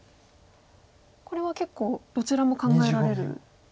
これは結構どちらも考えられる。